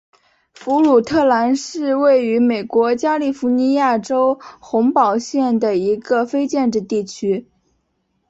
弗鲁特兰是位于美国加利福尼亚州洪堡县的一个非建制地区。